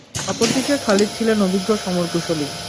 অপরদিকে খালিদ ছিলেন অভিজ্ঞ সমরকুশলী।